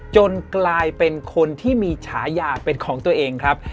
จนกลายเป็นคนที่มีฉายาเป็นของตัวเองครับ